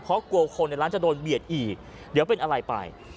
เพราะกลัวคนในร้านจะโดนเบียดอีกเดี๋ยวเป็นอะไรไป